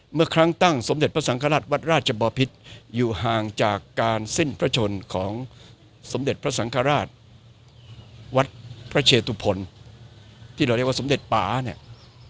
เมื่อครั้งตั้งสมเด็จพระสังฆราชวัดราชบอพิษอยู่ห่างจากการสิ้นพระชนของสมเด็จพระสังฆราชวัดพระเชตุพลที่เราเรียกว่าสมเด็จป่าเนี่ย